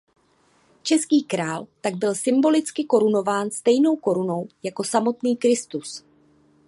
Český král tak byl symbolicky korunován stejnou korunou jako samotný Kristus.